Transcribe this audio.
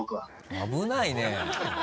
危ないわ。